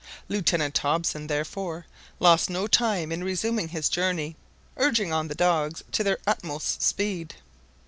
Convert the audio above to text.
Lieutenant Hobson, therefore, lost no time in resuming his journey, urging on the dogs to their utmost speed.